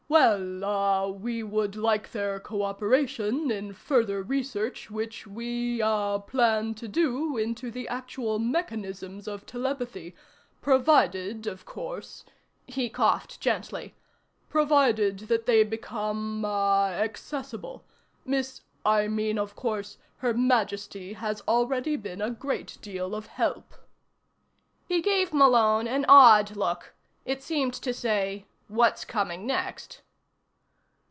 "Well ah we would like their cooperation in further research which we ah plan to do into the actual mechanisms of telepathy. Provided, of course " He coughed gently "provided that they become ah accessible. Miss I mean, of course, Her Majesty has already been a great deal of help." He gave Malone an odd look. It seemed to say: _What's coming next?